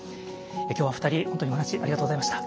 今日はお二人本当にお話ありがとうございました。